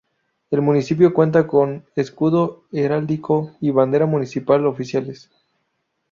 El municipio cuenta con escudo heráldico y bandera municipal oficiales.